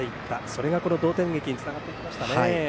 それが同点劇につながってきましたね。